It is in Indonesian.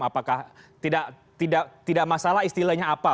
apakah tidak masalah istilahnya apa